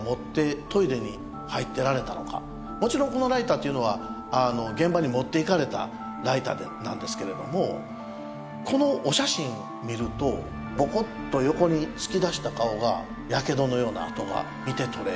もちろんこのライターっていうのは現場に持っていかれたライターなんですけれどもこのお写真見るとぼこっと横に突き出した顔がやけどのような跡が見てとれる。